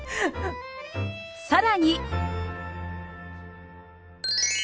さらに。